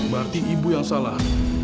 berarti ibu yang salah